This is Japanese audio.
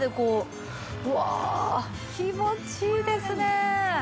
うわっ気持ちいいですね！